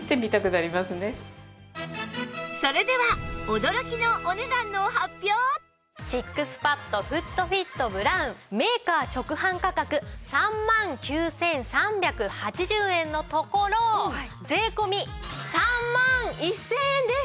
それではシックスパッドフットフィットブラウンメーカー直販価格３万９３８０円のところ税込３万１０００円です！